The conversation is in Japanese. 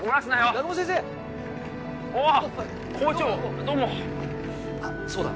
南雲先生あっ校長どうもあっそうだ